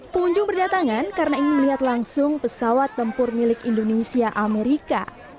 pengunjung berdatangan karena ingin melihat langsung pesawat tempur milik indonesia amerika